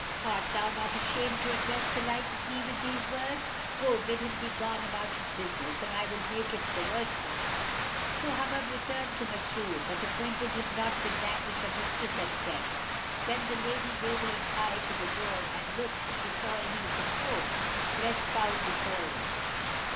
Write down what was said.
Art thou not ashamed to address the like of me with these words? Go, bid him begone about his business; or I will make it the worse for him." So Hubub returned to Masrur, but acquainted him not with that which her mistress had said. Then the lady bade her hie to the door and look if she saw any of the folk, lest foul befal them.